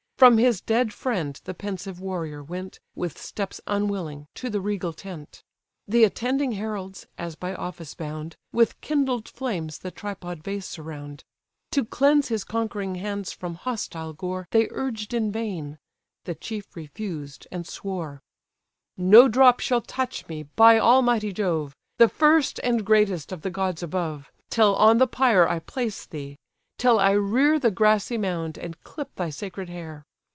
From his dead friend the pensive warrior went, With steps unwilling, to the regal tent. The attending heralds, as by office bound, With kindled flames the tripod vase surround: To cleanse his conquering hands from hostile gore, They urged in vain; the chief refused, and swore: "No drop shall touch me, by almighty Jove! The first and greatest of the gods above! Till on the pyre I place thee; till I rear The grassy mound, and clip thy sacred hair.